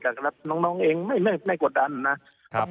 มันก็ต้องเปลี่ยนไป